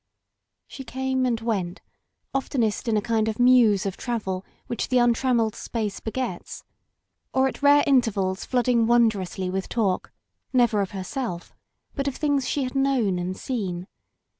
She came and went, oftenest in a kind of muse of travel which the imtrammelled space begets, or at rare inter vals flooding wondrously with talk, never of herself, but of things she had known and seen.